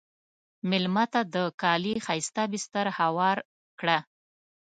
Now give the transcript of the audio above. مېلمه ته د کالي ښایسته بستر هوار کړه.